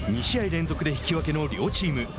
２試合連続で引き分けの両チーム。